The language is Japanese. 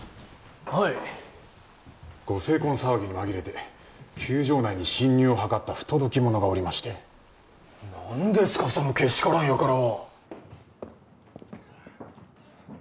はいご成婚騒ぎに紛れて宮城内に侵入をはかった不届き者がおりまして何ですかそのけしからん輩は！